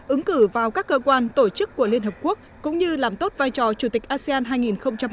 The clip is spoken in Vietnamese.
ứng cử vào các cơ quan tổ chức của liên hợp quốc cũng như làm tốt vai trò chủ tịch asean hai nghìn hai mươi